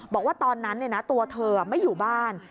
บอกว่าตอนนั้นตัวเธอไม่อยู่บ้าน